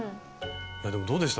いやでもどうでした？